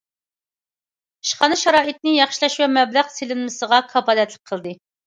ئىشخانا شارائىتىنى ياخشىلاش ۋە مەبلەغ سېلىنمىسىغا كاپالەتلىك قىلدى.